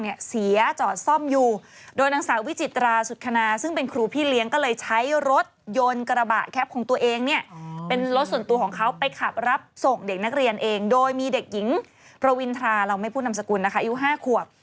เราไม่พูดนามสกุลนะคะอีก๕ขวบ